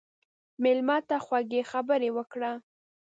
مېلمه ته خوږې خبرې وکړه.